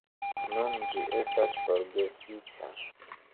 Nun ĝi estas forgesita.